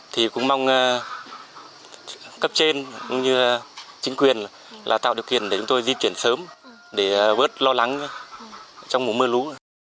thì cũng mong cấp trên cũng như chính quyền là tạo điều kiện để chúng tôi di chuyển sớm để bớt lo lắng trong mùa mưa lũ